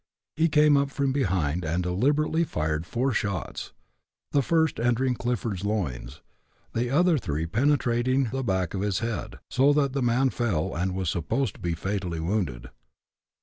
He came up from behind, and deliberately fired four shots, the first entering Clifford's loins, the other three penetrating the back of his head, so that the man fell and was supposed to be fatally wounded.